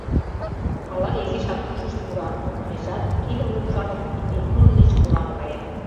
Ала изишак ушышт пура, — манешат, кидым лупшалын, Епи нунын деч кораҥ кая...